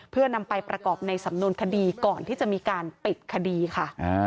เพื่อนำไปประกอบในสำนวนคดีก่อนที่จะมีการปิดคดีค่ะ